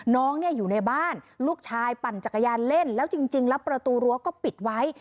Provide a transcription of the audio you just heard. น้องเนี่ยอยู่ในบ้านลูกชายปั่นจักรยานเล่นแล้วจริงแล้วประตูรั้วก็ปิดไว้